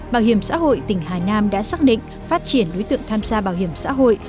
bảo hiểm xã hội tỉnh hà nam đã xác định phát triển đối tượng tham gia bảo hiểm xã hội